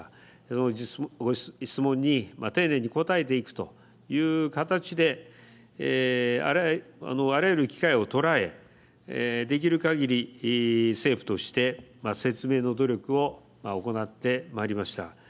その質問に丁寧に答えていくという形であらゆる機会を捉えできるかぎり政府として説明の努力を行ってまいりました。